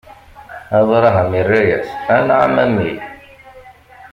Abṛaham irra-yas: Anɛam, a mmi!